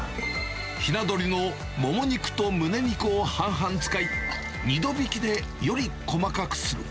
ひな鶏のもも肉とむね肉を半々使い、２度びきでより細かくする。